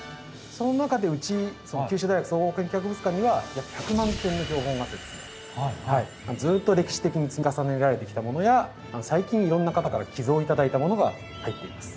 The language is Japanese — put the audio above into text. その中でうち九州大学総合研究博物館には約１００万点の標本があってずっと歴史的に積み重ねられてきたものや最近いろんな方から寄贈頂いたものが入っています。